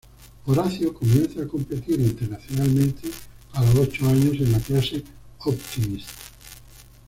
Horacio comienza a competir internacionalmente a los ocho años en la clase Optimist.